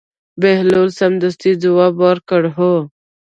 بهلول سمدستي ځواب ورکړ: هو.